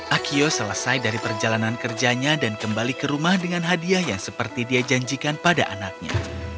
akio selesai dari perjalanan kerjanya dan kembali ke rumah dengan hadiah yang seperti dia janjikan pada anaknya